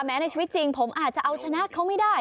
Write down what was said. ในชีวิตจริงผมอาจจะเอาชนะเขาไม่ได้